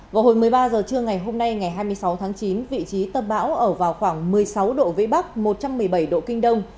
vào hồi một mươi ba h trưa ngày hôm nay ngày hai mươi sáu tháng chín vị trí tâm bão ở vào khoảng một mươi sáu độ vĩ bắc một trăm một mươi bảy độ kinh đông